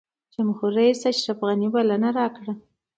جمهورریس اشرف غني بلنه راکړه.